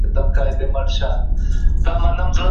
په خپل رباب کي به سندري شرنګوم درسره